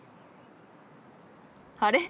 あれ？